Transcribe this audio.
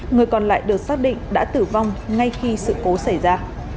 người còn lại được xác định đã tử vong ngay khi sự cố xảy ra